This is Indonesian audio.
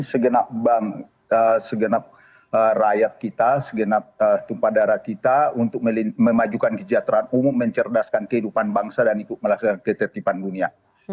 segenap rakyat kita segenap tumpah darah kita untuk memajukan kesejahteraan umum mencerdaskan kehidupan bangsa dan ikut melaksanakan ketertiban dunia